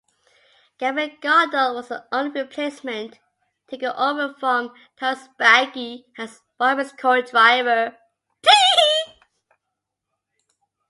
Gabriele Gardel was the only replacement, taking over from Thomas Biagi as Bobbi's co-driver.